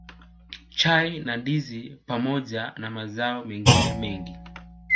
Chai na Ndizi pamoja na mazao mengine mengi